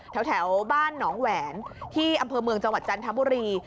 แถวบ้านหนองแหวนที่อำเภอเมืองจังหวัดจันทบุรี